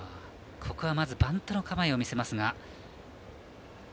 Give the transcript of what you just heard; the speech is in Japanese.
ここはまずバントの構えを見せます。